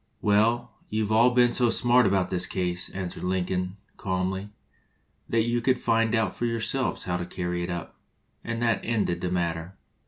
"Well, you 've all been so smart about this case," answered Lin coln, calmly, "that you can find out for your selves how to carry it up"; and that ended the matter.